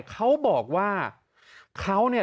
เขาบอกว่าเขาเนี่ย